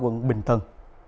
quận bình tân